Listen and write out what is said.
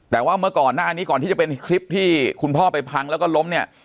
แต่ว่าเมื่อก่อนหน้านี้ก่อนที่จะเป็นคลิปที่คุณพ่อไปพังแล้วก็ล้มเนี่ย